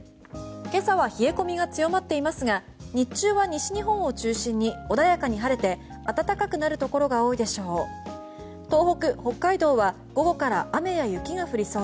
今朝は冷え込みが強まっていますが日中は西日本を中心に穏やかに晴れて暖かくなるところが多いでしょう。